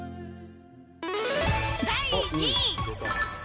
第２位。